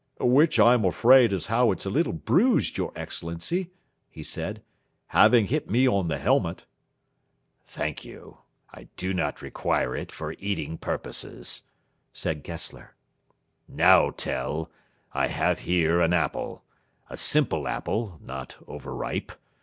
"Which I'm afraid as how it's a little bruised, your Excellency," he said, "having hit me on the helmet." "Thank you. I do not require it for eating purposes," said Gessler. "Now, Tell, I have here an apple a simple apple, not over ripe.